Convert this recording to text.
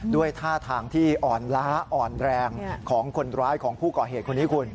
ด้วยท่าทางที่อ่อนล้าอ่อนแรงของคนร้ายของผู้ก่อเหตุคนนี้คุณ